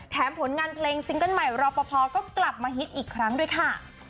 ผลงานเพลงซิงเกิ้ลใหม่รอปภก็กลับมาฮิตอีกครั้งด้วยค่ะ